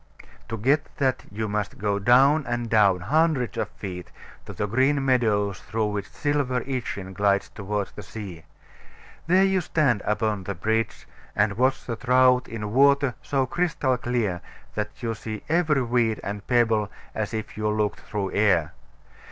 To get that you must go down and down, hundreds of feet, to the green meadows through which silver Itchen glides toward the sea. There you stand upon the bridge, and watch the trout in water so crystal clear that you see every weed and pebble as if you looked through air.